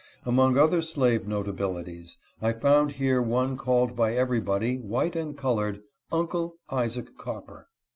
Among other slave notabilities, I found here one called by everybody, white and colored, " Uncle " Isaac Copper.